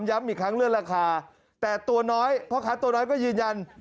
ย้ำอีกครั้งเลื่อนราคาแต่ตัวน้อยพ่อค้าตัวน้อยก็ยืนยัน